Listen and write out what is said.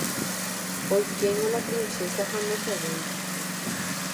Oikéngo la princesa ha nosẽvéi.